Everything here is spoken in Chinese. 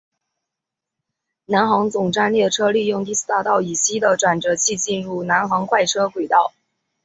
南行总站列车利用第四大道以西的转辙器进入南行快车轨道。